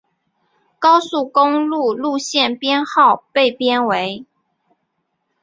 高速公路路线编号被编为。